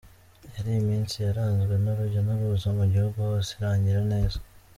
yari iminsi yaranzwe n’urujya n’uruza mu gihugu hose, irangira neza.